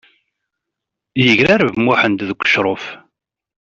Yegrareb Muḥend deg ucruf.